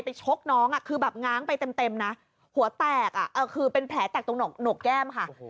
ชกน้องคือแบบง้างไปเต็มนะหัวแตกคือเป็นแผลแตกตรงหนกแก้มค่ะ